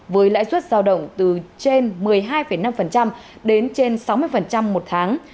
với lãi suất giao động từ trên một mươi hai năm đến trên sáu mươi một tháng